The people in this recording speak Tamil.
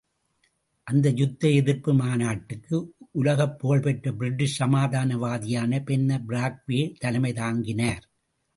அந்த யுத்த எதிர்ப்பு மாநாட்டுக்கு உலகப் புகழ் பெற்ற பிரிட்டிஷ் சமாதானவாதியான பென்னர் பிராக்வே தலைமை தாங்கினார்.